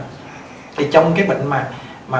thì trong cái bệnh mà